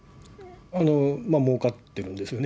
もうかってるんですよね。